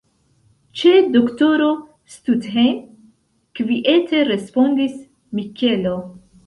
Ĉe doktoro Stuthejm, kviete respondis Mikelo.